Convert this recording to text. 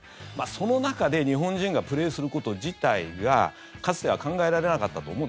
その中で日本人がプレーすること自体がかつては考えられなかったと思う